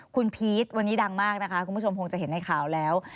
คุณพีชวันนี้ดังมากนะคะคุณผู้ชมคงจะเห็นในข่าวแล้ว